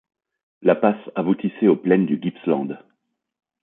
La passe aboutissait aux plaines du Gippsland.